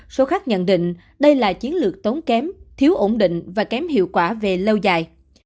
số khác nhận định đây là chiến lược tốn kém thiếu ổn định và kém hiệu quả về lâu dài